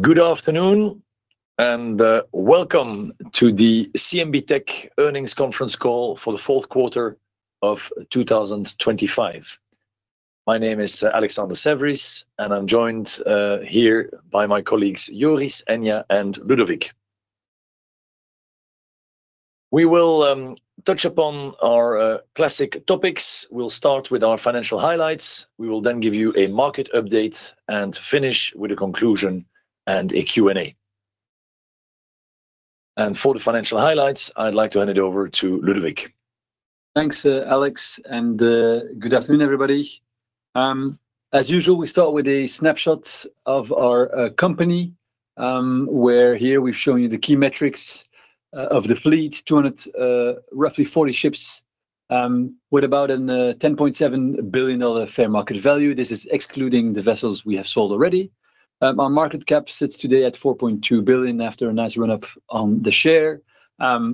Good afternoon, and welcome to the CMB.TECH Earnings Conference Call for the Fourth Quarter of 2025. My name is Alexander Saverys, and I'm joined here by my colleagues, Joris, Enya, and Ludovic. We will touch upon our classic topics. We'll start with our financial highlights. We will then give you a market update, and finish with a conclusion and a Q&A. For the financial highlights, I'd like to hand it over to Ludovic. Thanks, Alex, and good afternoon, everybody. As usual, we start with a snapshot of our company, where here we've shown you the key metrics of the fleet, 200 roughly 40 ships, with about a $10.7 billion fair market value. This is excluding the vessels we have sold already. Our market cap sits today at $4.2 billion after a nice run-up on the share.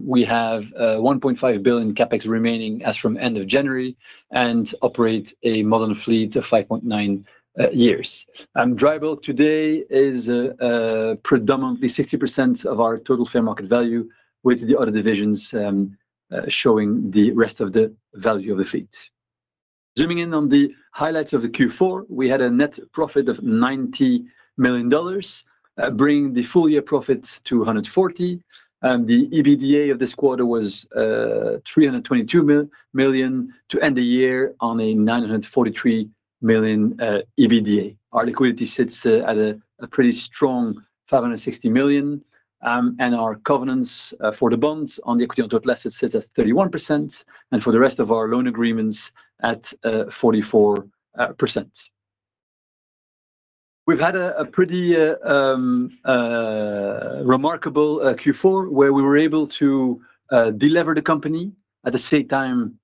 We have $1.5 billion CapEx remaining as from end of January, and operate a modern fleet of 5.9 years. Dry bulk today is predominantly 60% of our total fair market value, with the other divisions showing the rest of the value of the fleet. Zooming in on the highlights of the Q4, we had a net profit of $90 million, bringing the full year profits to $140 million. The EBITDA of this quarter was $322 million to end the year on a $943 million EBITDA. Our liquidity sits at a pretty strong $560 million. Our covenants for the bonds on the equity on total assets sits at 31%, and for the rest of our loan agreements at 44%. We've had a pretty remarkable Q4, where we were able to delever the company, at the same time,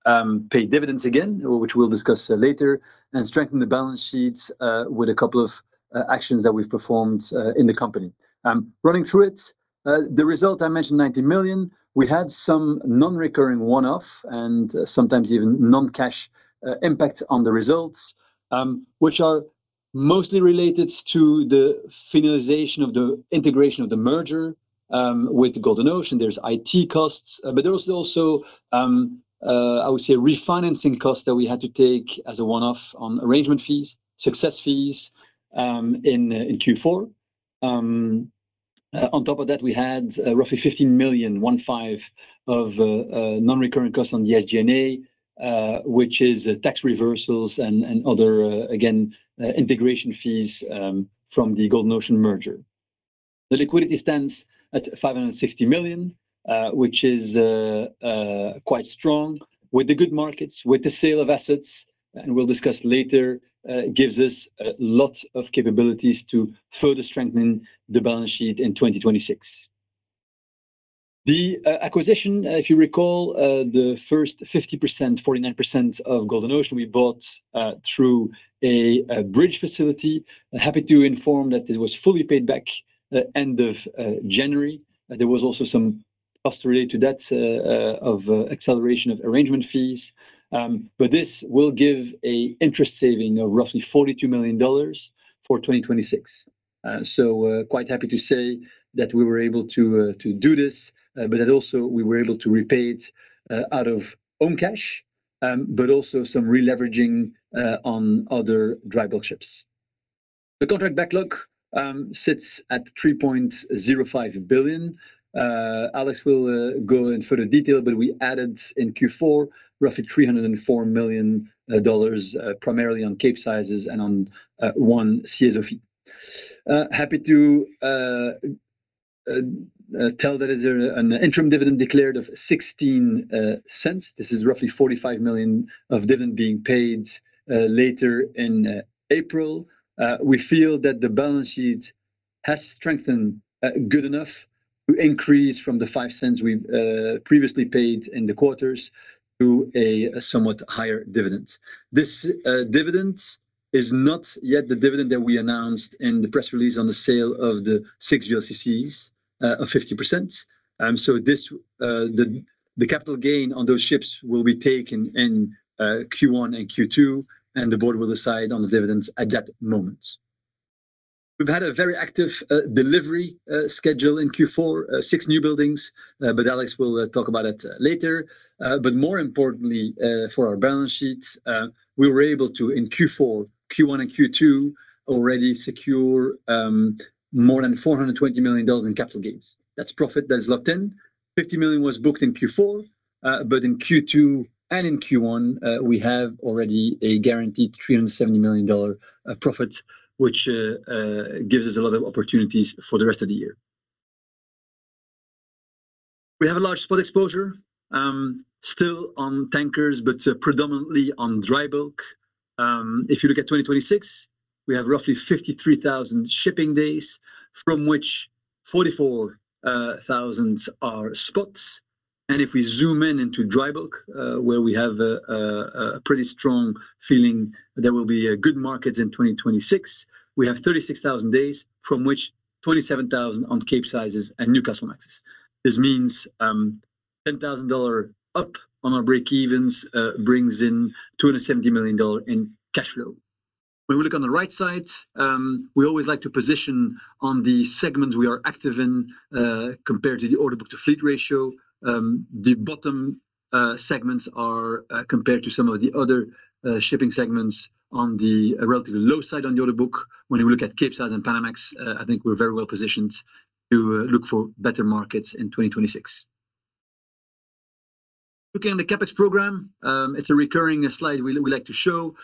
pay dividends again, which we'll discuss later, and strengthen the balance sheets with a couple of actions that we've performed in the company. Running through it, the result, I mentioned $90 million. We had some non-recurring one-off and sometimes even non-cash impacts on the results, which are mostly related to the finalization of the integration of the merger with Golden Ocean. There's IT costs. There was also, I would say, refinancing costs that we had to take as a one-off on arrangement fees, success fees in Q4. On top of that, we had roughly $15 million of non-recurring costs on the SG&A, which is tax reversals and other again integration fees from the Golden Ocean merger. The liquidity stands at $560 million, which is quite strong. With the good markets, with the sale of assets, and we'll discuss later, it gives us a lot of capabilities to further strengthen the balance sheet in 2026. The acquisition, if you recall, the first 50%, 49% of Golden Ocean, we bought through a bridge facility. Happy to inform that this was fully paid back at end of January. There was also some cost related to that of acceleration of arrangement fees. This will give a interest saving of roughly $42 million for 2026. Quite happy to say that we were able to do this, that also we were able to repay it out of own cash, also some releveraging on other dry bulk ships. The contract backlog sits at $3.05 billion. Alex will go in further detail, we added in Q4, roughly $304 million, primarily on Capesizes and on one CSOV. Happy to tell that there an interim dividend declared of $0.16. This is roughly $45 million of dividend being paid later in April. We feel that the balance sheet has strengthened, good enough to increase from the $0.05 we've previously paid in the quarters to a somewhat higher dividend. This dividend is not yet the dividend that we announced in the press release on the sale of the 6 VLCCs, of 50%. So this, the capital gain on those ships will be taken in Q1 and Q2, and the board will decide on the dividends at that moment. We've had a very active delivery schedule in Q4, six new buildings. Alex will talk about it later. More importantly, for our balance sheets, we were able to, in Q4, Q1, and Q2, already secure more than $420 million in capital gains. That's profit that is locked in. $50 million was booked in Q4, but in Q2 and in Q1, we have already a guaranteed $370 million profit, which gives us a lot of opportunities for the rest of the year. We have a large spot exposure, still on tankers, but predominantly on dry bulk. If you look at 2026, we have roughly 53,000 shipping days, from which 44,000 are spots. If we zoom in into dry bulk, where we have a pretty strong feeling there will be a good market in 2026, we have 36,000 days from which 27,000 on Capesizes and Newcastlemaxes. This means $10,000 up on our breakevens brings in $270 million in cash flow. When we look on the right side, we always like to position on the segments we are active in, compared to the orderbook-to-fleet ratio. The bottom segments are compared to some of the other shipping segments on the relatively low side on the orderbook. When we look at Capesize and Panamax, I think we're very well positioned to look for better markets in 2026. Looking at the CapEx program, it's a recurring slide we like to show.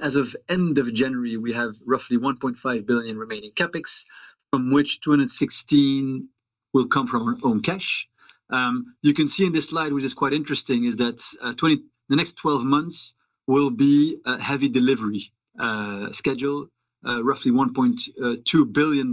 As of end of January, we have roughly $1.5 billion remaining CapEx, from which $216 will come from our own cash. You can see in this slide, which is quite interesting, is that the next 12 months will be a heavy delivery schedule. Roughly $1.2 billion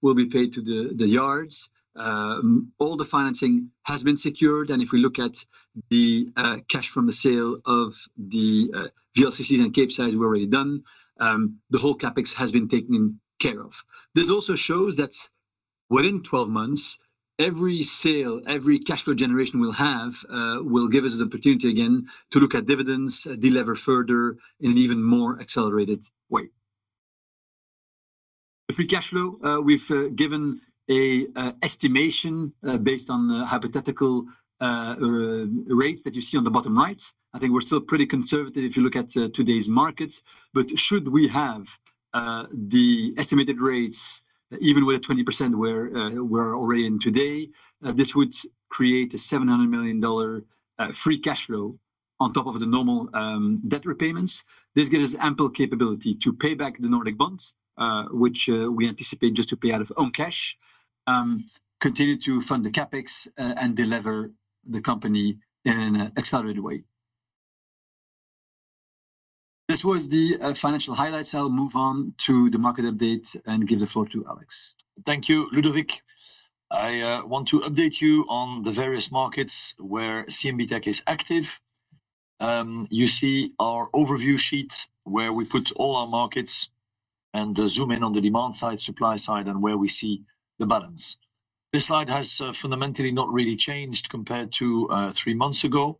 will be paid to the yards. All the financing has been secured. If we look at the cash from the sale of the VLCCs and Capesize were already done, the whole CapEx has been taken care of. This also shows that within 12 months, every sale, every cash flow generation we'll have will give us the opportunity again to look at dividends, delever further in an even more accelerated way. The free cash flow we've given a estimation based on the hypothetical rates that you see on the bottom right. I think we're still pretty conservative if you look at today's markets. Should we have the estimated rates, even with a 20% where we're already in today, this would create a $700 million free cash flow on top of the normal debt repayments. This gives us ample capability to pay back the Nordic bonds, which we anticipate just to pay out of own cash, continue to fund the CapEx, and delever the company in an accelerated way. This was the financial highlights. I'll move on to the market update and give the floor to Alex. Thank you, Ludovic. I want to update you on the various markets where CMB.TECH is active. You see our overview sheet, where we put all our markets and zoom in on the demand side, supply side, and where we see the balance. This slide has fundamentally not really changed compared to three months ago.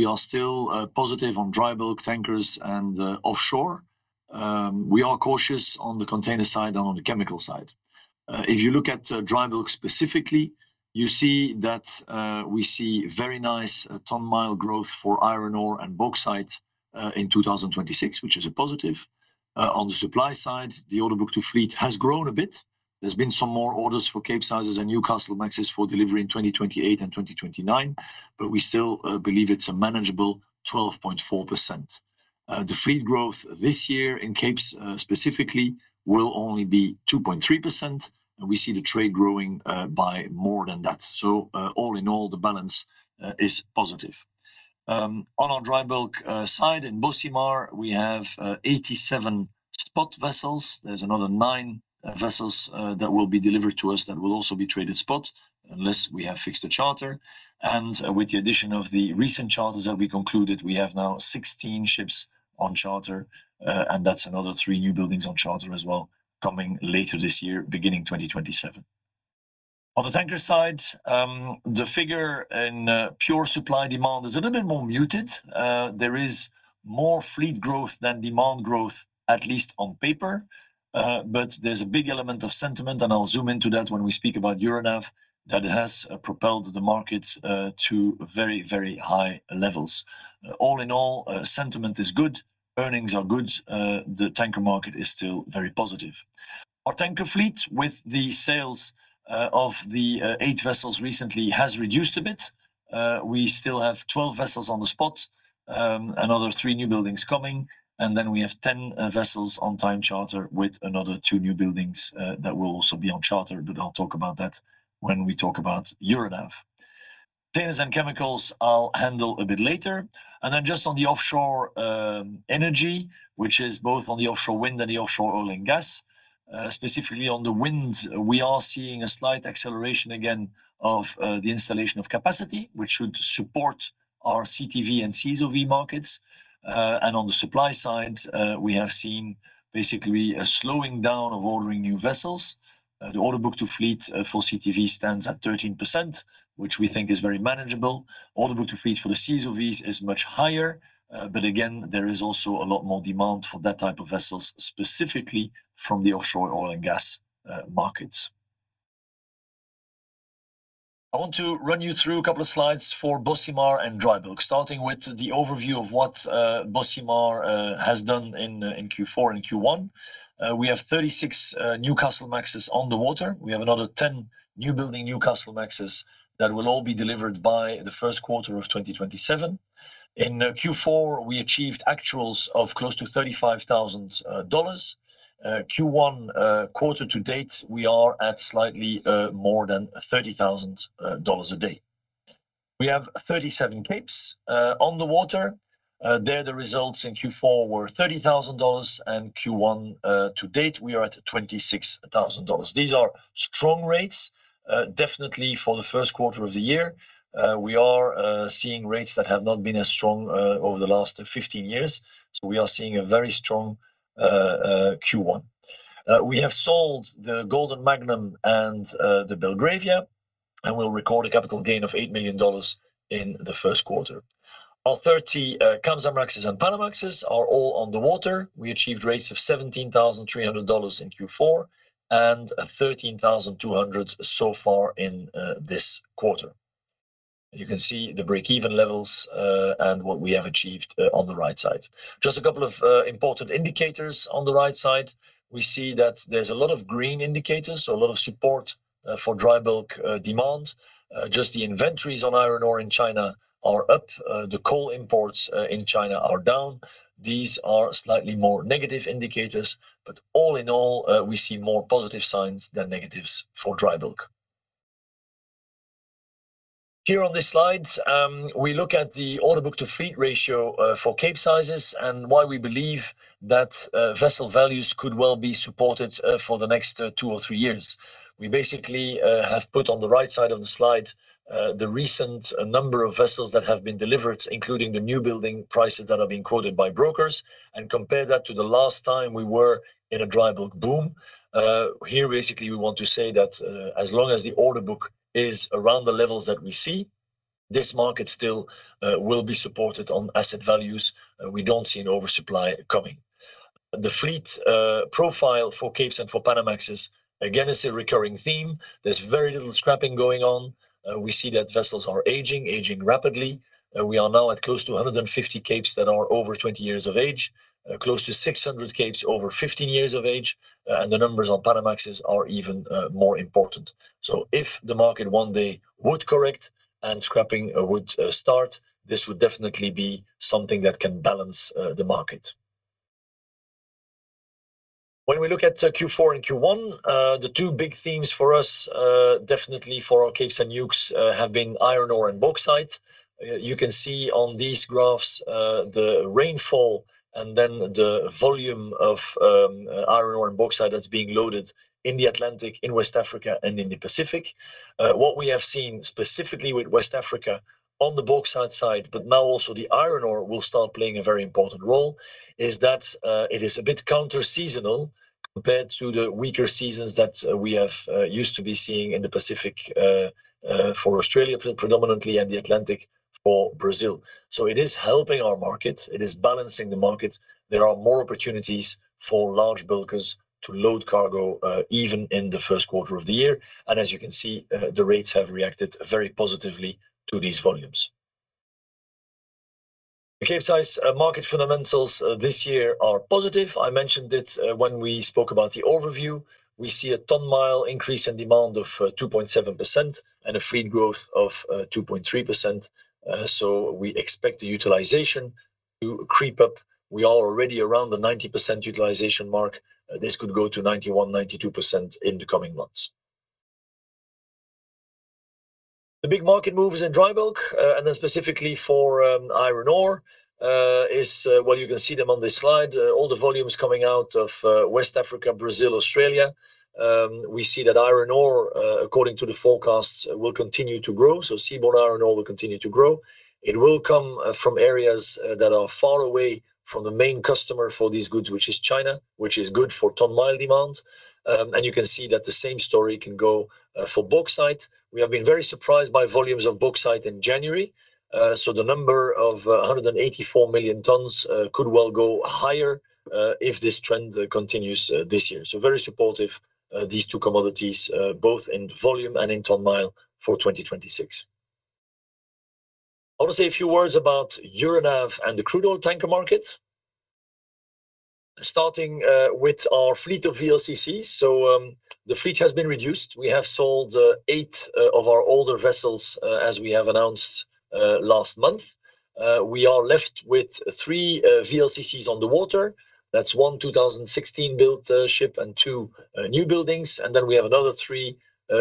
We are still positive on dry bulk tankers and offshore. We are cautious on the container side and on the chemical side. If you look at dry bulk specifically, you see that we see very nice ton-mile growth for iron ore and bauxite in 2026, which is a positive. On the supply side, the orderbook-to-fleet has grown a bit. There's been some more orders for Capesizes and Newcastlemaxes for delivery in 2028 and 2029, we still believe it's a manageable 12.4%. The fleet growth this year in Capes, specifically, will only be 2.3%, and we see the trade growing by more than that. All in all, the balance is positive. On our dry bulk side, in Bocimar, we have 87 spot vessels. There's another nine vessels that will be delivered to us that will also be traded spot, unless we have fixed a charter. With the addition of the recent charters that we concluded, we have now 16 ships on charter, and that's another three new buildings on charter as well, coming later this year, beginning 2027. On the tanker side, the figure in pure supply-demand is a little bit more muted. There is more fleet growth than demand growth, at least on paper, but there's a big element of sentiment, and I'll zoom into that when we speak about Euronav, that has propelled the markets to very, very high levels. All in all, sentiment is good, earnings are good, the tanker market is still very positive. Our tanker fleet, with the sales of the eight vessels recently, has reduced a bit. We still have 12 vessels on the spot, another three new buildings coming, and then we have 10 vessels on time charter, with another two new buildings that will also be on charter, but I'll talk about that when we talk about Euronav. Containers and chemicals, I'll handle a bit later. Just on the offshore energy, which is both on the offshore wind and the offshore oil and gas, specifically on the wind, we are seeing a slight acceleration again of the installation of capacity, which should support our CTV and CSOV markets. On the supply side, we have seen basically a slowing down of ordering new vessels. The orderbook to fleet for CTV stands at 13%, which we think is very manageable. Orderbook to fleet for the CSOVs is much higher, but again, there is also a lot more demand for that type of vessels, specifically from the offshore oil and gas markets. I want to run you through a couple of slides for Bocimar and Dry Bulk, starting with the overview of what Bocimar has done in Q4 and Q1. We have 36 Newcastlemaxes on the water. We have another 10 new building Newcastlemaxes that will all be delivered by the first quarter of 2027. In Q4, we achieved actuals of close to $35,000. Q1 quarter to date, we are at slightly more than $30,000 a day. We have 37 Capes on the water. There, the results in Q4 were $30,000, and Q1 to date, we are at $26,000. These are strong rates, definitely for the first quarter of the year. We are seeing rates that have not been as strong over the last 15 years, so we are seeing a very strong Q1. We have sold the Golden Magnum and the Belgravia, and we'll record a capital gain of $8 million in the first quarter. Our 30 Kamsarmax and Panamax are all on the water. We achieved rates of $17,300 in Q4 and $13,200 so far in this quarter. You can see the breakeven levels and what we have achieved on the right side. Just a couple of important indicators. On the right side, we see that there's a lot of green indicators, so a lot of support for dry bulk demand. Just the inventories on iron ore in China are up. The coal imports in China are down. These are slightly more negative indicators. All in all, we see more positive signs than negatives for dry bulk. Here on this slide, we look at the orderbook-to-fleet ratio for Capesize and why we believe that vessel values could well be supported for the next two or three years. We basically have put on the right side of the slide, the recent number of vessels that have been delivered, including the new building prices that have been quoted by brokers, and compare that to the last time we were in a dry bulk boom. Here, basically, we want to say that as long as the order book is around the levels that we see, this market still will be supported on asset values, and we don't see an oversupply coming. The fleet profile for Capes and for Panamax, again, is a recurring theme. There's very little scrapping going on. We see that vessels are aging rapidly. We are now at close to 150 Capes that are over 20 years of age, close to 600 Capes over 15 years of age, and the numbers on Panamax are even more important. If the market one day would correct and scrapping would start, this would definitely be something that can balance the market. When we look at Q4 and Q1, the two big themes for us, definitely for our Capes and New builds, have been iron ore and bauxite. You can see on these graphs, the rainfall and then the volume of iron ore and bauxite that's being loaded in the Atlantic, in West Africa, and in the Pacific. What we have seen specifically with West Africa on the bauxite side, but now also the iron ore, will start playing a very important role, is that it is a bit counterseasonal compared to the weaker seasons that we have used to be seeing in the Pacific, for Australia predominantly, and the Atlantic for Brazil. It is helping our market. It is balancing the market. There are more opportunities for large bulkers to load cargo, even in the 1st quarter of the year. As you can see, the rates have reacted very positively to these volumes. The Capesize market fundamentals this year are positive. I mentioned it when we spoke about the overview. We see a ton-mile increase in demand of 2.7% and a fleet growth of 2.3%. We expect the utilization to creep up. We are already around the 90% utilization mark. This could go to 91%-92% in the coming months. The big market moves in dry bulk, and then specifically for iron ore, is, well, you can see them on this slide. All the volumes coming out of West Africa, Brazil, Australia. We see that iron ore, according to the forecasts, will continue to grow, so seaborne iron ore will continue to grow. It will come from areas that are far away from the main customer for these goods, which is China, which is good for ton-mile demand. You can see that the same story can go for bauxite. We have been very surprised by volumes of bauxite in January, so the number of 184 million tons could well go higher if this trend continues this year. Very supportive, these two commodities, both in volume and in ton-mile for 2026. I want to say a few words about Euronav and the crude oil tanker market. Starting with our fleet of VLCC, so the fleet has been reduced. We have sold eight of our older vessels, as we have announced last month. We are left with 3 VLCCs on the water. That's one 2016-built ship and two new buildings, and then we have another 3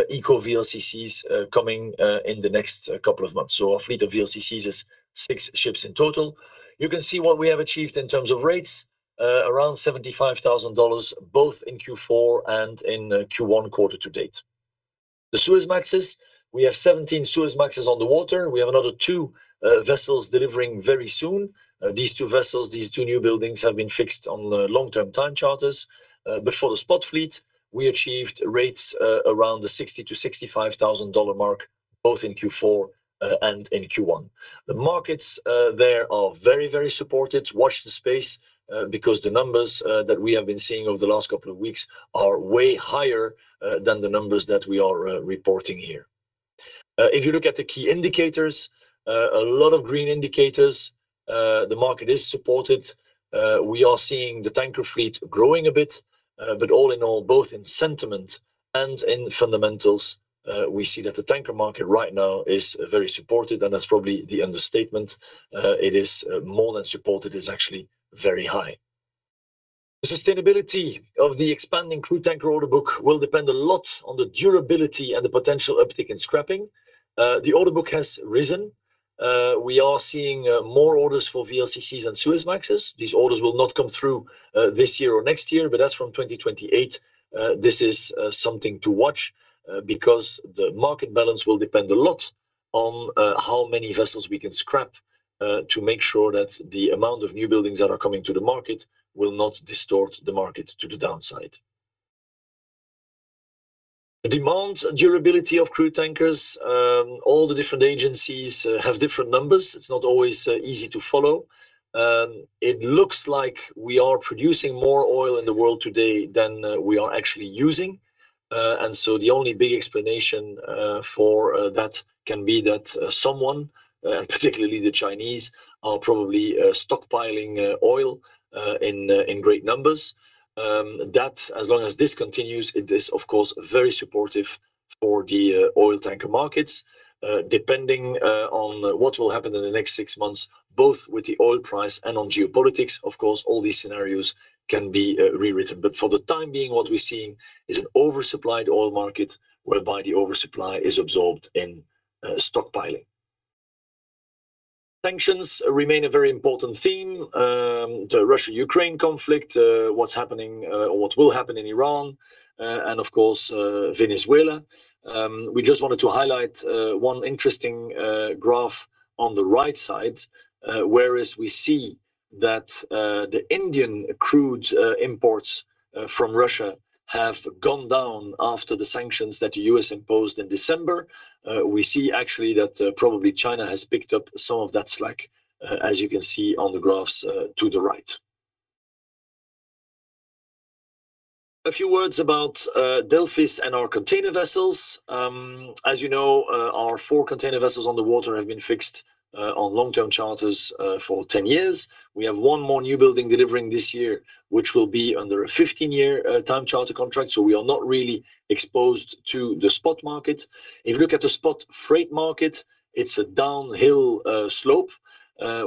Eco VLCCs coming in the next couple of months. Our fleet of VLCCs is six ships in total. You can see what we have achieved in terms of rates, around $75,000, both in Q4 and in Q1 quarter-to-date. Suezmaxes, we have 17 Suezmaxes on the water. We have another two vessels delivering very soon. These two vessels, these two new buildings, have been fixed on the long-term time charters. For the spot fleet, we achieved rates around the $60,000-$65,000 mark, both in Q4 and in Q1. The markets there are very, very supported. Watch this space because the numbers that we have been seeing over the last couple of weeks are way higher than the numbers that we are reporting here. If you look at the key indicators, a lot of green indicators, the market is supported. We are seeing the tanker fleet growing a bit, but all in all, both in sentiment and in fundamentals, we see that the tanker market right now is very supported, and that's probably the understatement. It is more than supported. It's actually very high. The sustainability of the expanding crude tanker order book will depend a lot on the durability and the potential uptick in scrapping. The order book has risen. We are seeing more orders for VLCCs and Suezmaxes. These orders will not come through this year or next year, but that's from 2028. This is something to watch because the market balance will depend a lot on how many vessels we can scrap to make sure that the amount of new buildings that are coming to the market will not distort the market to the downside. The demand and durability of crude tankers, all the different agencies have different numbers. It's not always easy to follow. It looks like we are producing more oil in the world today than we are actually using. The only big explanation for that can be that someone, and particularly the Chinese, are probably stockpiling oil in great numbers. That as long as this continues, it is, of course, very supportive for the oil tanker markets. Depending on what will happen in the next six months, both with the oil price and on geopolitics, of course, all these scenarios can be rewritten. But for the time being, what we're seeing is an oversupplied oil market, whereby the oversupply is absorbed in stockpiling. Sanctions remain a very important theme. The Russia-Ukraine conflict, what's happening or what will happen in Iran, and of course, Venezuela. We just wanted to highlight one interesting graph on the right side. Whereas we see that the Indian crude imports from Russia have gone down after the sanctions that the U.S. imposed in December. We see actually that probably China has picked up some of that slack, as you can see on the graphs to the right. A few words about Delphis and our container vessels. As you know, our four container vessels on the water have been fixed on long-term charters for 10 years. We have one more new building delivering this year, which will be under a 15-year time charter contract, so we are not really exposed to the spot market. If you look at the spot freight market, it's a downhill slope.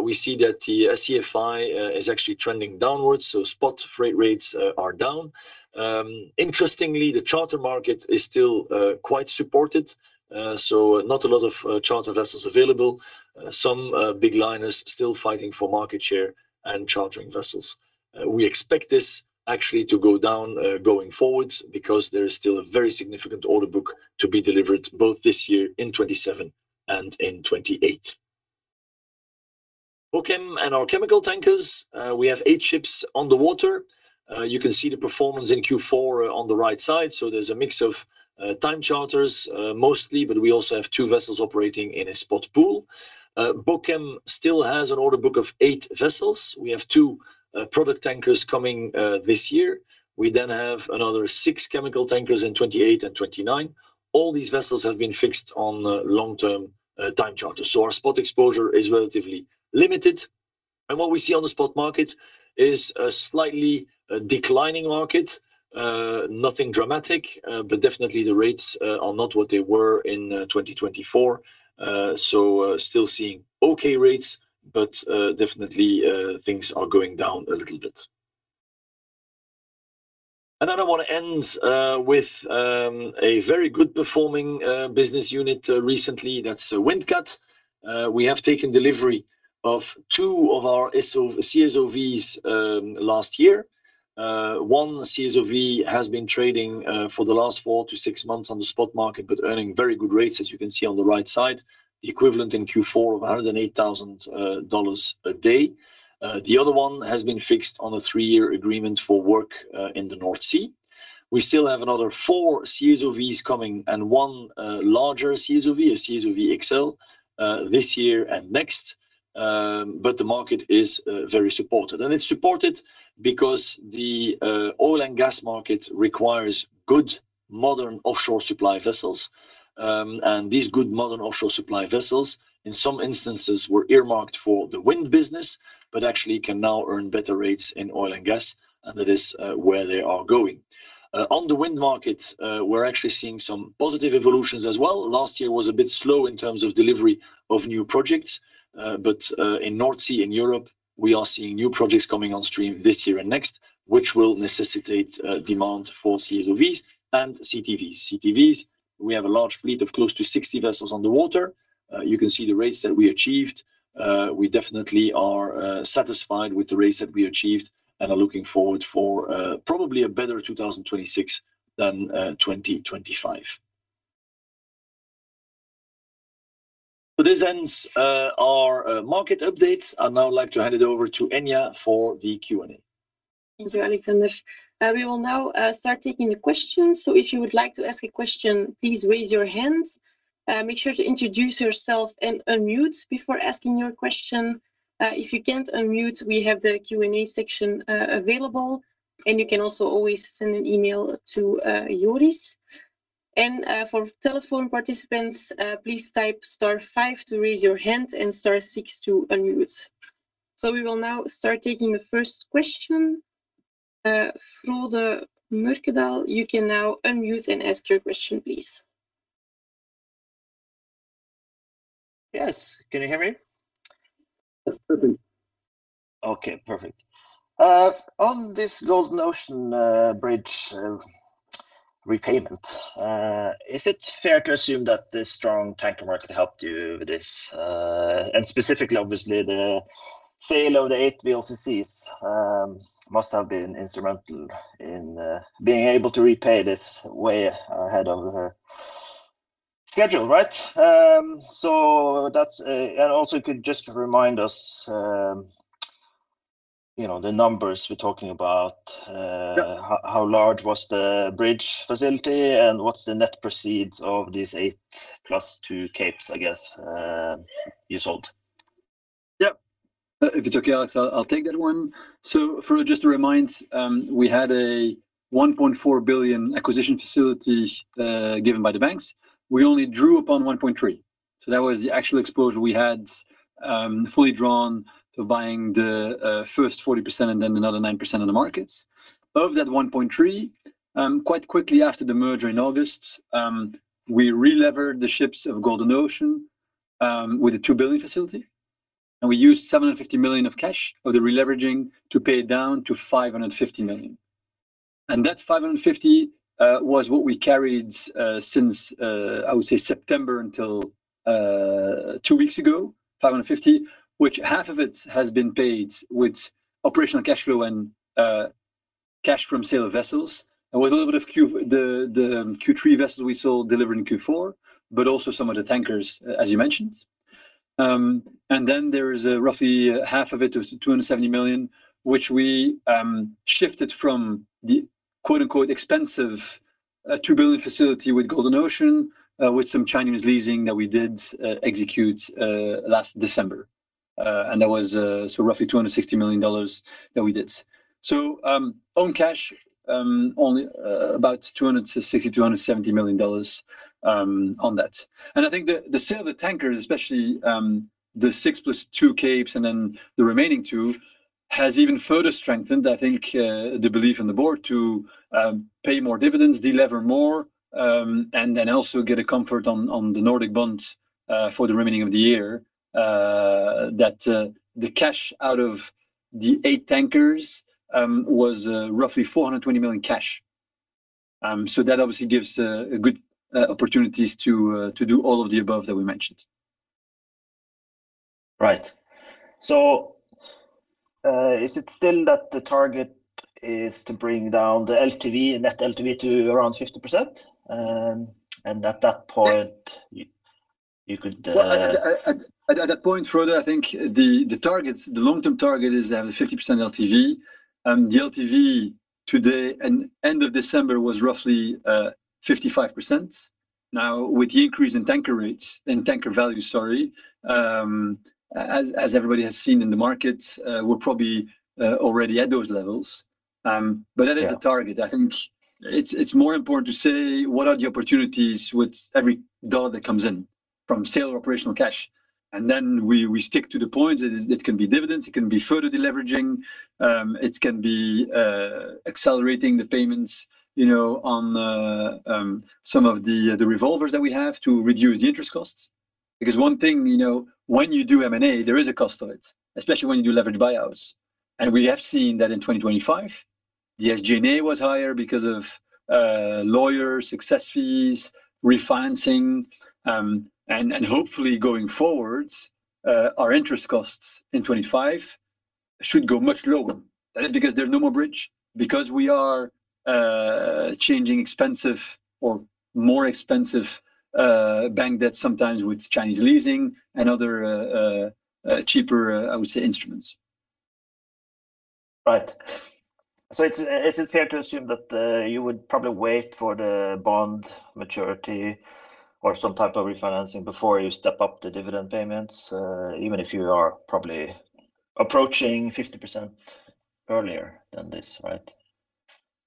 We see that the CFI is actually trending downwards, so spot freight rates are down. Interestingly, the charter market is still quite supported, so not a lot of charter vessels available. Some big liners still fighting for market share and chartering vessels. We expect this actually to go down going forward because there is still a very significant orderbook to be delivered both this year in 2027 and in 2028. Bochem and our chemical tankers, we have 8 ships on the water. You can see the performance in Q4 on the right side, so there's a mix of time charters mostly, but we also have two vessels operating in a spot pool. Bochem still has an orderbook of eight vessels. We have two product tankers coming this year. We have another six chemical tankers in 2028 and 2029. All these vessels have been fixed on long-term, time charters, so our spot exposure is relatively limited. What we see on the spot market is a slightly declining market. Nothing dramatic, but definitely the rates are not what they were in 2024. Still seeing okay rates, but definitely things are going down a little bit. I wanna end with a very good performing business unit recently, that's Windcat. We have taken delivery of two of our CSOVs last year. One CSOV has been trading for the last four to six months on the spot market, but earning very good rates, as you can see on the right side, the equivalent in Q4 of more than $8,000 a day. The other one has been fixed on a three-year agreement for work in the North Sea. We still have another four CSOVs coming and one larger CSOV, a CSOV XL, this year and next. The market is very supported. It's supported because the oil and gas market requires good, modern offshore supply vessels. These good modern offshore supply vessels, in some instances, were earmarked for the wind business, but actually can now earn better rates in oil and gas, and that is where they are going. On the wind market, we're actually seeing some positive evolutions as well. Last year was a bit slow in terms of delivery of new projects, but in North Sea, in Europe, we are seeing new projects coming on stream this year and next, which will necessitate demand for CSOVs and CTVs. CTVs, we have a large fleet of close to 60 vessels on the water. You can see the rates that we achieved. We definitely are satisfied with the rates that we achieved and are looking forward for probably a better 2026 than 2025. This ends our market updates. I'd now like to hand it over to Enya for the Q&A. Thank you, Alexander Saverys. We will now start taking the questions. If you would like to ask a question, please raise your hand. Make sure to introduce yourself and unmute before asking your question. If you can't unmute, we have the Q&A section available, and you can also always send an email to Joris Daman. For telephone participants, please type star five to raise your hand and star six to unmute. We will now start taking the first question. Frode Mørkedal, you can now unmute and ask your question, please. Yes. Can you hear me? Yes, perfectly. Okay, perfect. On this Golden Ocean, bridge, repayment, is it fair to assume that the strong tanker market helped you with this? Specifically, obviously, the sale of the eight VLCCs must have been instrumental in being able to repay this way ahead of the... Schedule, right? That's. Also, could just remind us, you know, the numbers we're talking about. Yeah. How large was the bridge facility, and what's the net proceeds of these eight plus two capes, I guess, you sold? Yep. If it's okay, Alex, I'll take that one. For just to remind, we had a $1.4 billion acquisition facility given by the banks. We only drew upon $1.3. That was the actual exposure we had, fully drawn to buying the first 40% and then another 9% of the markets. Of that $1.3, quite quickly after the merger in August, we relevered the ships of Golden Ocean with a $2 billion facility, and we used $750 million of cash of the releveraging to pay it down to $550 million. That 550 was what we carried since I would say September until two weeks ago, 550, which half of it has been paid with operational cash flow and cash from sale of vessels, and with a little bit of The Q3 vessels we sold delivering in Q4, but also some of the tankers, as you mentioned. Then there is roughly half of it, was $270 million, which we shifted from the quote, unquote, "expensive," $2 billion facility with Golden Ocean, with some Chinese leasing that we did execute last December. That was so roughly $260 million that we did. Own cash, only about $260 million-$270 million on that. I think the sale of the tankers, especially the six plus two Capes, and then the remaining two, has even further strengthened, I think, the belief in the board to pay more dividends, delever more, and then also get a comfort on the Nordic bonds for the remaining of the year. That the cash out of the 8 tankers was roughly $420 million cash. That obviously gives good opportunities to do all of the above that we mentioned. Right. Is it still that the target is to bring down the LTV, net LTV to around 50%? Yeah... you could, Well, at that point, Frode, I think the targets, the long-term target is to have the 50% LTV. The LTV today and end of December was roughly 55%. Now, with the increase in tanker rates, in tanker value, sorry, as everybody has seen in the market, we're probably already at those levels. But that is. Yeah a target. I think it's more important to say what are the opportunities with every dollar that comes in from sale or operational cash, then we stick to the points. It can be dividends, it can be further deleveraging, it can be accelerating the payments, you know, on some of the revolvers that we have to reduce the interest costs. One thing, you know, when you do M&A, there is a cost to it, especially when you do leveraged buyouts. We have seen that in 2025, the SG&A was higher because of lawyer success fees, refinancing, hopefully going forwards, our interest costs in 2025 should go much lower. That is because there's no more bridge, because we are changing expensive or more expensive bank debt, sometimes with Chinese leasing and other cheaper, I would say, instruments. Right. Is it fair to assume that you would probably wait for the bond maturity or some type of refinancing before you step up the dividend payments, even if you are probably approaching 50% earlier than this, right?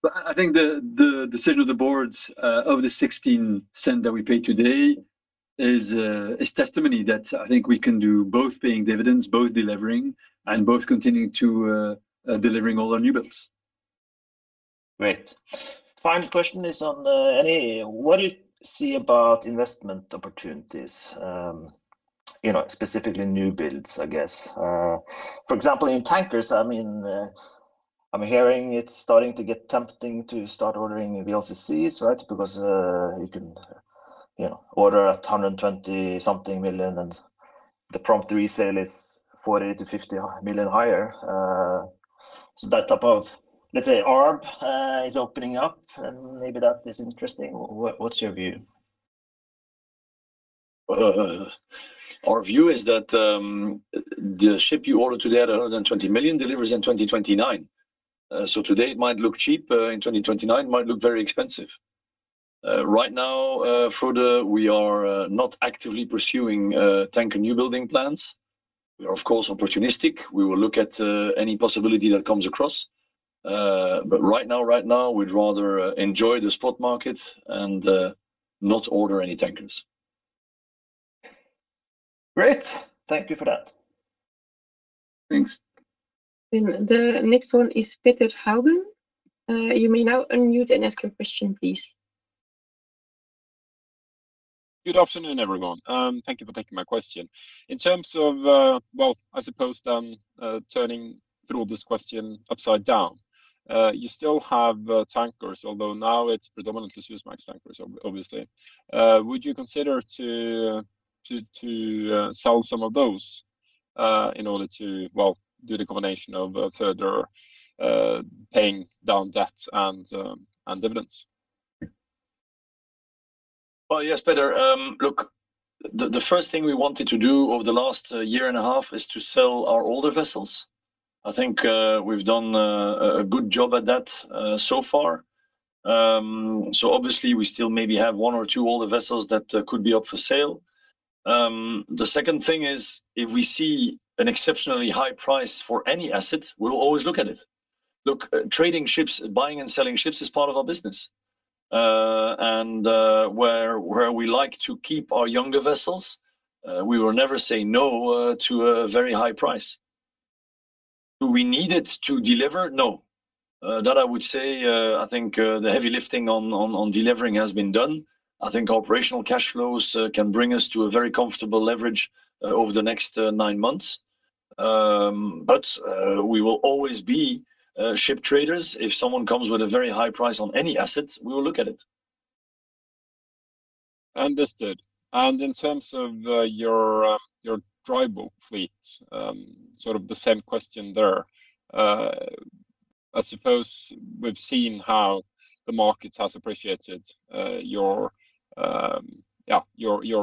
Well, I think the decision of the boards, of the $0.16 that we paid today is testimony that I think we can do both paying dividends, both delivering, and both continuing to delivering all our new builds. Great. Final question is on Eddie. What do you see about investment opportunities, you know, specifically new builds, I guess? For example, in tankers, I mean, I'm hearing it's starting to get tempting to start ordering VLCCs, right? Because, you can, you know, order at $120 something million, and the prompt resale is $40 million-$50 million higher. That type of, let's say, arb, is opening up, and maybe that is interesting. What's your view? Our view is that the ship you order today at $120 million delivers in 2029. Today it might look cheap, in 2029, it might look very expensive. Right now, Frode, we are not actively pursuing tanker new building plans. We are, of course, opportunistic. We will look at any possibility that comes across. Right now, we'd rather enjoy the spot market and not order any tankers. Great. Thank you for that. Thanks. The next one is Petter Haugen. You may now unmute and ask your question, please. Good afternoon, everyone. Thank you for taking my question. In terms of, well, I suppose, turning through this question upside down, you still have tankers, although now it's predominantly Suezmax tankers, obviously. Would you consider to sell some of those, in order to, well, do the combination of, further, paying down debt and dividends? Well, yes, Petter. Look, the first thing we wanted to do over the last year and a half is to sell our older vessels. I think we've done a good job at that so far. Obviously we still maybe have one or two older vessels that could be up for sale. The second thing is, if we see an exceptionally high price for any asset, we'll always look at it. Look, trading ships, buying and selling ships is part of our business. Where we like to keep our younger vessels, we will never say no to a very high price. Do we need it to deliver? No. That I would say, I think the heavy lifting on delivering has been done. I think operational cash flows can bring us to a very comfortable leverage over the next nine months. We will always be ship traders. If someone comes with a very high price on any asset, we will look at it. Understood. In terms of your dry bulk fleet, sort of the same question there. I suppose we've seen how the market has appreciated your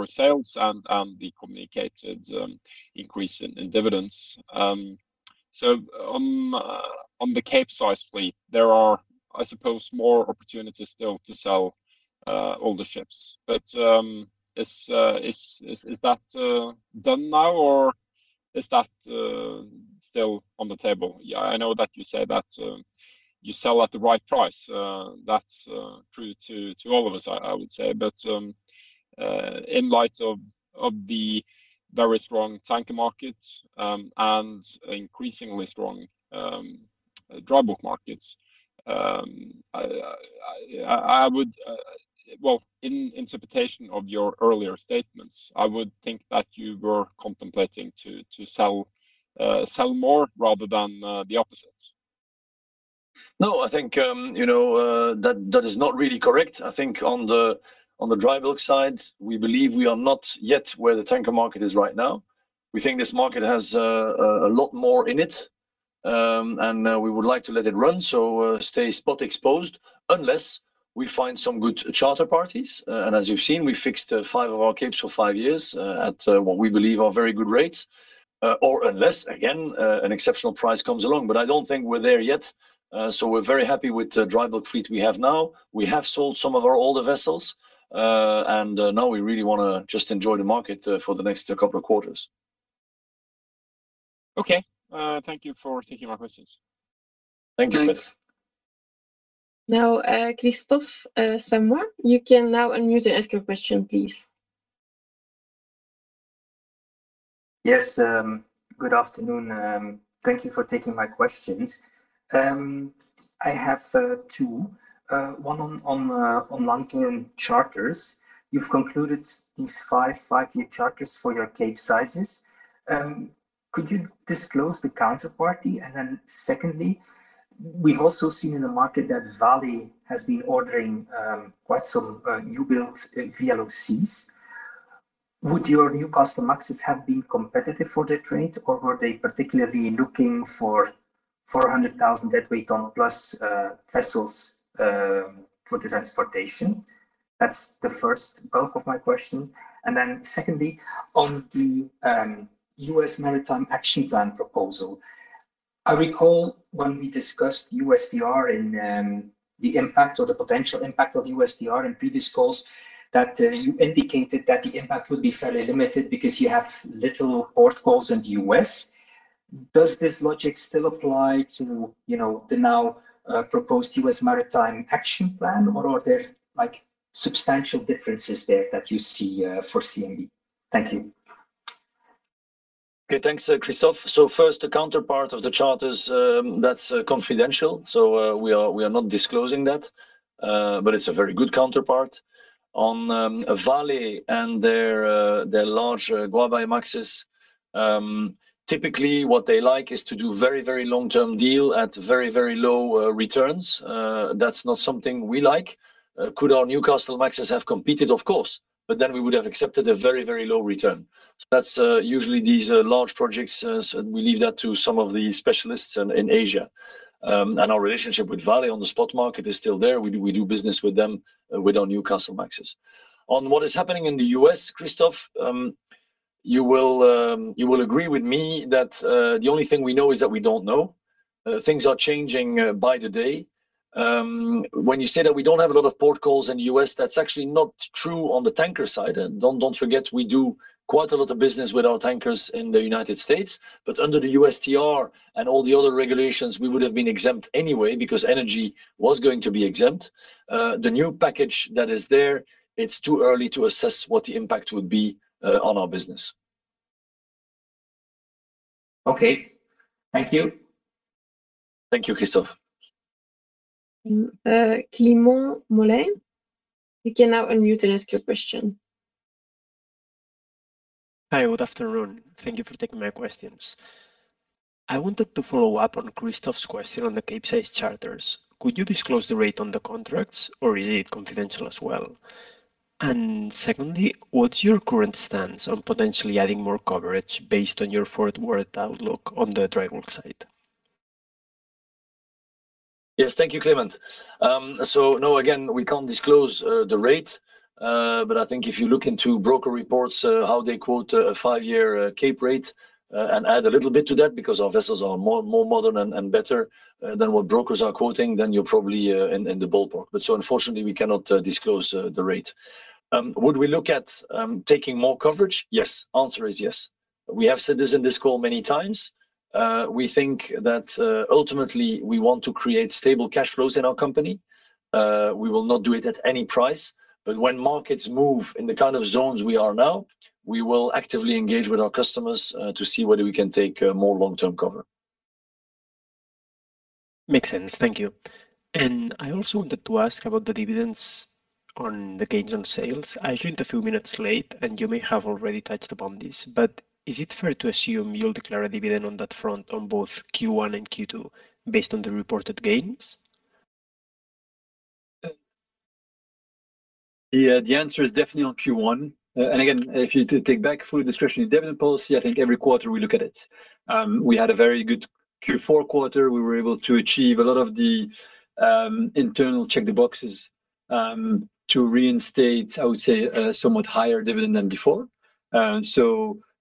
sales and the communicated increase in dividends. On the Capesize fleet, there are, I suppose, more opportunities still to sell older ships, but is that done now or is that still on the table? I know that you say that you sell at the right price. That's true to all of us, I would say. In light of the very strong tanker markets, and increasingly strong dry bulk markets, I would well, in interpretation of your earlier statements, I would think that you were contemplating to sell more rather than the opposite. I think, you know, that is not really correct. I think on the dry bulk side, we believe we are not yet where the tanker market is right now. We think this market has a lot more in it. We would like to let it run, stay spot exposed unless we find some good charter parties. As you've seen, we fixed five of our capes for five years at what we believe are very good rates. Unless, again, an exceptional price comes along. I don't think we're there yet. We're very happy with the dry bulk fleet we have now. We have sold some of our older vessels. Now we really wanna just enjoy the market for the next couple of quarters. Okay. Thank you for taking my questions. Thank you, Petter. Now, Christophe Savi, you can now unmute and ask your question, please. Yes, good afternoon. Thank you for taking my questions. I have two. One on long-term charters. You've concluded these five-year charters for your Capesizes. Could you disclose the counterparty? Secondly, we've also seen in the market that Vale has been ordering quite some new builds, VLCCs. Would your Newcastlemaxes have been competitive for the trade, or were they particularly looking for 400,000 deadweight ton plus vessels for the transportation? That's the first bulk of my question. Secondly, on the U.S. Maritime Action Plan proposal. I recall when we discussed USTR and the impact or the potential impact of USTR in previous calls, that you indicated that the impact would be fairly limited because you have little port calls in the U.S. Does this logic still apply to, you know, the now, proposed US Maritime Action Plan, or are there, like, substantial differences there that you see, foreseeing? Thank you. Okay. Thanks, Christophe. First, the counterpart of the charters, that's confidential, so we are not disclosing that, but it's a very good counterpart. On Vale and their large Guaibamaxes, typically, what they like is to do very, very long-term deal at very, very low returns. That's not something we like. Could our Newcastlemaxes have competed? Of course, but then we would have accepted a very, very low return. That's usually these large projects, so we leave that to some of the specialists in Asia. Our relationship with Vale on the spot market is still there. We do business with them with our Newcastlemaxes. On what is happening in the US, Christophe, you will agree with me that the only thing we know is that we don't know. Things are changing by the day. When you say that we don't have a lot of port calls in the US, that's actually not true on the tanker side. Don't forget, we do quite a lot of business with our tankers in the United States, but under the USTR and all the other regulations, we would have been exempt anyway because energy was going to be exempt. The new package that is there, it's too early to assess what the impact would be on our business. Okay. Thank you. Thank you, Christophe. Clement Moulin, you can now unmute and ask your question. Hi, good afternoon. Thank you for taking my questions. I wanted to follow up on Christophe's question on the Capesize charters. Could you disclose the rate on the contracts, or is it confidential as well? Secondly, what's your current stance on potentially adding more coverage based on your forward outlook on the dry bulk side? Yes, thank you, Clement. No, again, we can't disclose the rate, but I think if you look into broker reports, how they quote a five-year Cape rate, and add a little bit to that, because our vessels are more modern and better than what brokers are quoting, then you're probably in the ballpark. Unfortunately, we cannot disclose the rate. Would we look at taking more coverage? Yes. Answer is yes. We have said this in this call many times. We think that ultimately we want to create stable cash flows in our company. We will not do it at any price, but when markets move in the kind of zones we are now, we will actively engage with our customers, to see whether we can take more long-term cover. Makes sense. Thank you. I also wanted to ask about the dividends on the gains on sales. I joined a few minutes late, and you may have already touched upon this, but is it fair to assume you'll declare a dividend on that front on both Q1 and Q2 based on the reported gains? Yeah, the answer is definitely on Q1. Again, if you did take back full discretion in dividend policy, I think every quarter we look at it. We had a very good Q4 quarter. We were able to achieve a lot of the internal check the boxes to reinstate, I would say, a somewhat higher dividend than before.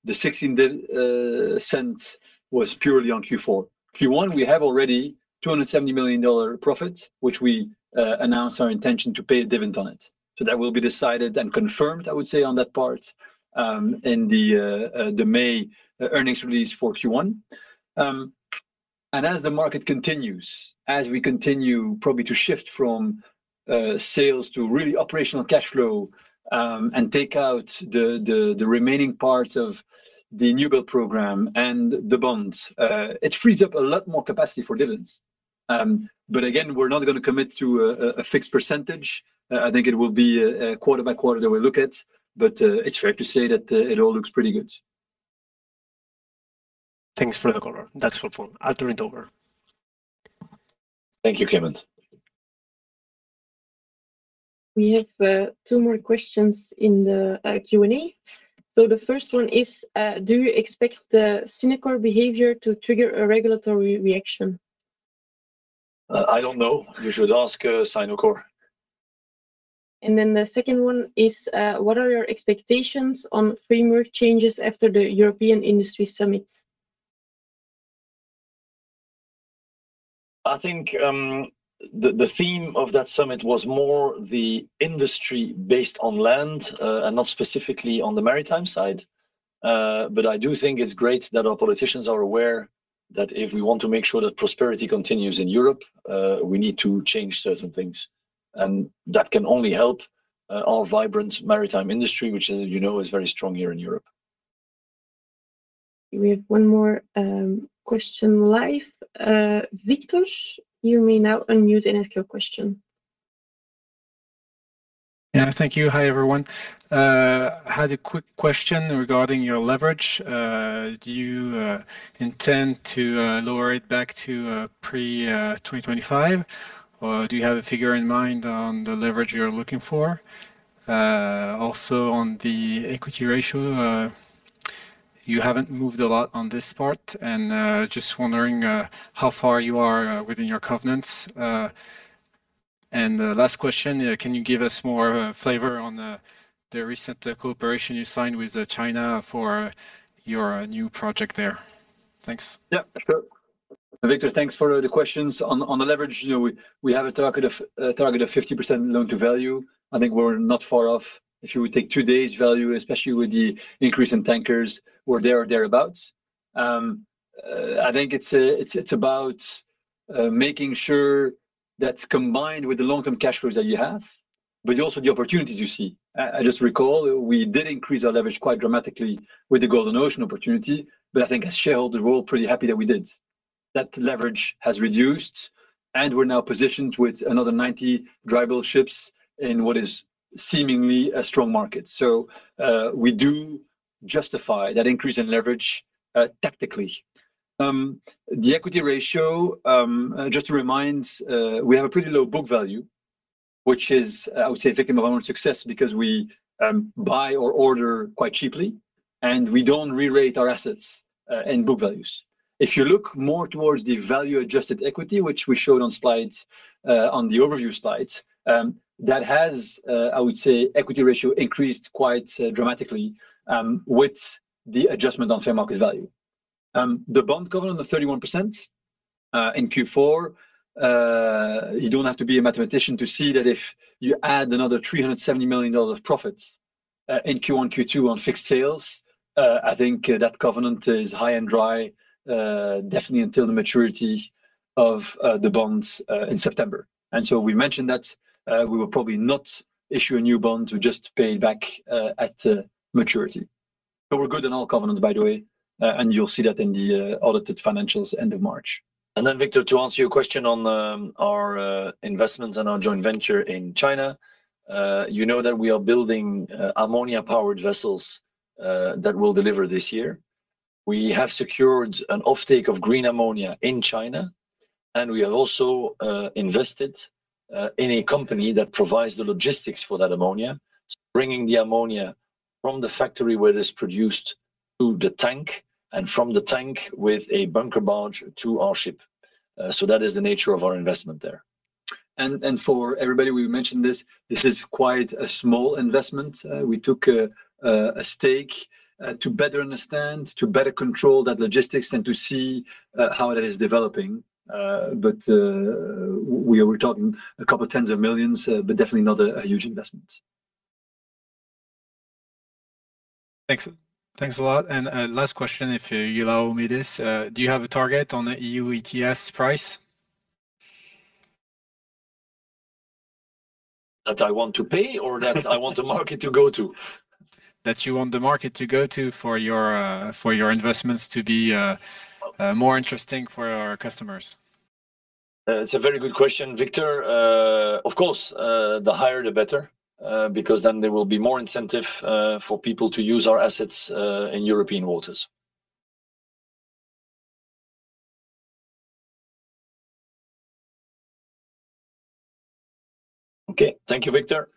The $0.16 was purely on Q4. Q1. We have already $270 million profits, which we announced our intention to pay a dividend on it. That will be decided and confirmed, I would say, on that part, in the May earnings release for Q1. As the market continues, as we continue probably to shift from sales to really operational cash flow, and take out the remaining parts of the new build program and the bonds, it frees up a lot more capacity for dividends. Again, we're not gonna commit to a fixed percentage. I think it will be quarter by quarter that we look at, but it's fair to say that it all looks pretty good. Thanks for the call. That's helpful. I'll turn it over. Thank you, Clément. We have two more questions in the Q&A. The first one is, "Do you expect the Sinokor behavior to trigger a regulatory reaction? I don't know. You should ask Sinokor. The second one is, "What are your expectations on framework changes after the European Industry Summit? I think, the theme of that summit was more the industry based on land, and not specifically on the maritime side. I do think it's great that our politicians are aware that if we want to make sure that prosperity continues in Europe, we need to change certain things. That can only help our vibrant maritime industry, which, as you know, is very strong here in Europe. We have one more question live. Victor, you may now unmute and ask your question. Yeah, thank you. Hi, everyone. I had a quick question regarding your leverage. Do you intend to lower it back to pre-2025, or do you have a figure in mind on the leverage you're looking for? Also, on the equity ratio, you haven't moved a lot on this part, just wondering how far you are within your covenants. The last question, can you give us more flavor on the recent cooperation you signed with China for your new project there? Thanks. Victor, thanks for the questions. On the leverage, you know, we have a target of 50% loan to value. I think we're not far off. If you would take two days value, especially with the increase in tankers, we're there or thereabout. I think it's about making sure that's combined with the long-term cash flows that you have, but also the opportunities you see. I just recall we did increase our leverage quite dramatically with the Golden Ocean opportunity, but I think as shareholders, we're all pretty happy that we did. That leverage has reduced, and we're now positioned with another 90 dry bulk ships in what is seemingly a strong market. We do justify that increase in leverage, tactically. The equity ratio, just to remind, we have a pretty low book value, which is, I would say, a victim of our own success because we buy or order quite cheaply, and we don't re-rate our assets in book values. If you look more towards the value-adjusted equity, which we showed on slides, on the overview slides, that has, I would say, equity ratio increased quite dramatically with the adjustment on fair market value. The bond covenant of 31% in Q4, you don't have to be a mathematician to see that if you add another $370 million of profits in Q1, Q2 on fixed sails, I think that covenant is high and dry, definitely until the maturity of the bonds in September. We mentioned that we will probably not issue a new bond to just pay back at maturity. We're good in all covenants, by the way, and you'll see that in the audited financials end of March. Victor, to answer your question on our investments and our joint venture in China, you know that we are building ammonia-powered vessels that will deliver this year. We have secured an offtake of green ammonia in China, and we have also invested in a company that provides the logistics for that ammonia, bringing the ammonia from the factory where it is produced to the tank, and from the tank with a bunker barge to our ship. That is the nature of our investment there. For everybody, we mentioned this is quite a small investment. We took a stake to better understand, to better control that logistics and to see how that is developing. We are talking a couple of tens of millions USD, but definitely not a huge investment. Thanks. Thanks a lot. A last question, if you allow me this, do you have a target on the EU ETS price? That I want to pay... that I want the market to go to? That you want the market to go to for your, for your investments to be, more interesting for our customers. It's a very good question, Victor. Of course, the higher the better, because then there will be more incentive for people to use our assets in European waters. Okay. Thank you, Victor.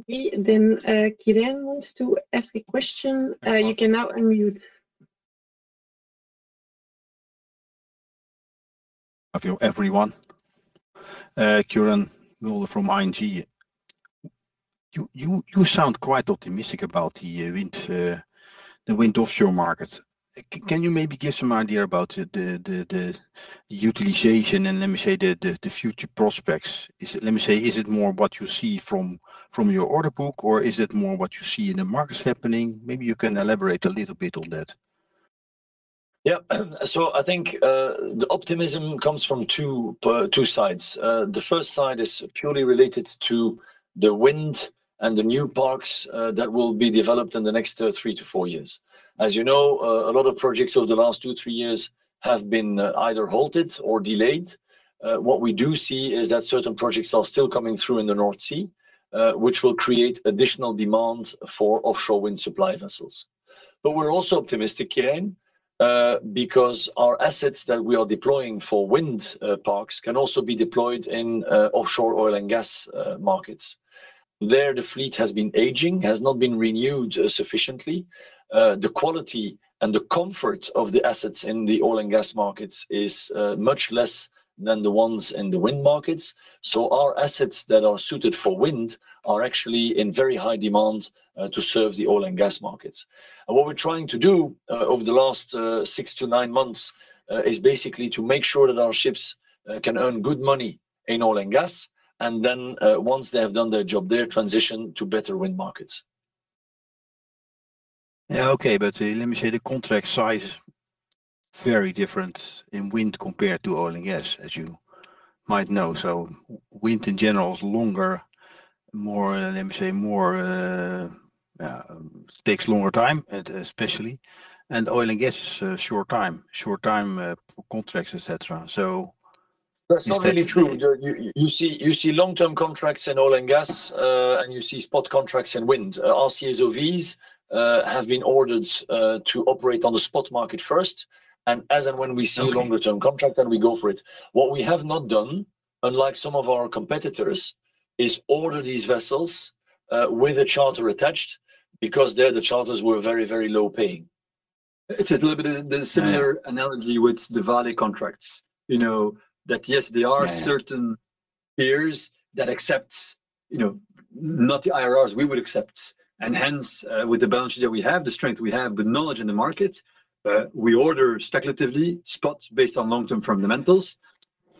Okay. Quirijn wants to ask a question. Yes, please. You can now unmute. Hello, everyone. Quirijn Mulder from ING. You sound quite optimistic about the wind offshore market. Can you maybe give some idea about the utilization, and let me say, the future prospects? Let me say, is it more what you see from your order book, or is it more what you see in the markets happening? Maybe you can elaborate a little bit on that. I think, the optimism comes from two sides. The first side is purely related to the wind and the new parks, that will be developed in the next three-four years. As you know, a lot of projects over the last two-three years have been, either halted or delayed. What we do see is that certain projects are still coming through in the North Sea, which will create additional demand for offshore wind supply vessels. We're also optimistic, Kieran, because our assets that we are deploying for wind, parks can also be deployed in, offshore oil and gas, markets. There, the fleet has been aging, has not been renewed, sufficiently. The quality and the comfort of the assets in the oil and gas markets is much less than the ones in the wind markets. Our assets that are suited for wind are actually in very high demand to serve the oil and gas markets. What we're trying to do over the last six-nine months is basically to make sure that our ships can earn good money in oil and gas, and then once they have done their job, they transition to better wind markets. Yeah, okay. Let me say, the contract size is very different in wind compared to oil and gas, as you might know. Wind, in general, is longer, more, let me say, more, takes longer time, especially, and oil and gas, short time contracts, et cetera. That's not really true. You- You see long-term contracts in oil and gas, and you see spot contracts in wind. Our CSOVs have been ordered to operate on the spot market first. Longer-term contract. We go for it. What we have not done, unlike some of our competitors, is order these vessels with a charter attached, because there the charters were very, very low-paying. It's a little bit the similar- Yeah analogy with the Vale contracts. You know, that yes. Yeah... certain peers that accept, you know, not the IRRs we would accept. Hence, with the balance that we have, the strength we have, the knowledge in the market, we order speculatively spots based on long-term fundamentals,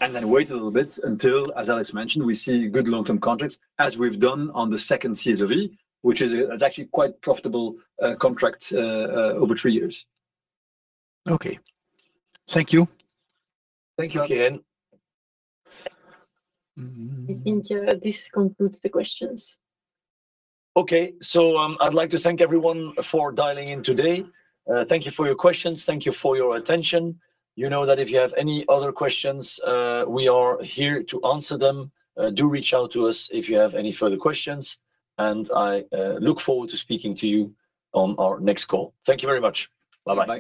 and then wait a little bit until, as Alex mentioned, we see good long-term contracts, as we've done on the second CSOV, which is actually quite profitable contracts over three years. Okay. Thank you. Thank you, Quirijn. I think, this concludes the questions. I'd like to thank everyone for dialing in today. Thank you for your questions. Thank you for your attention. You know that if you have any other questions, we are here to answer them. Do reach out to us if you have any further questions, I look forward to speaking to you on our next call. Thank you very much. Bye-bye.